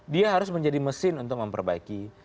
dia harus menjadi mesin untuk memperbaiki